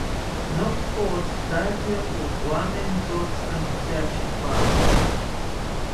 Nopothotakiro owamentotzi antyashipawo